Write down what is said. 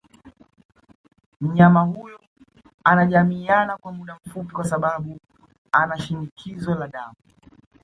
Mnyama huyo anajamiana kwa muda mfupi kwa sababu anashinikizo la damu